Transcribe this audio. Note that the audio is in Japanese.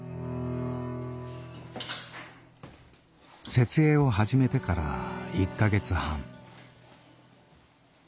設営を始めてから１か月半。